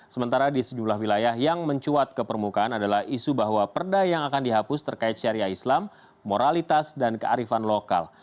sementara di sejumlah wilayah yang mencuat ke permukaan adalah isu bahwa perda yang akan dihapus terkait syariah islam moralitas dan kearifan lokal